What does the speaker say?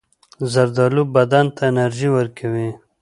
زردالو بدن ته انرژي ورکوي.